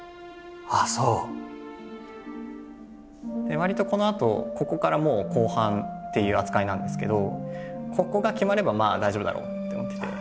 わりとこのあとここからもう後半っていう扱いなんですけどここが決まればまあ大丈夫だろうって思ってて。